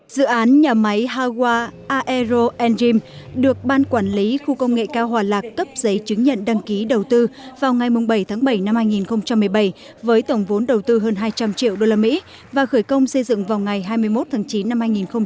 dự án nhà máy hawa aero enzym được ban quản lý khu công nghệ cao hòa lạc cấp giấy chứng nhận đăng ký đầu tư vào ngày bảy tháng bảy năm hai nghìn một mươi bảy với tổng vốn đầu tư hơn hai trăm linh triệu usd và khởi công xây dựng vào ngày hai mươi một tháng chín năm hai nghìn một mươi bảy